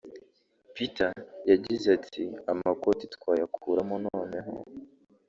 Peter yagize ati “Amakoti twayakuramo noneho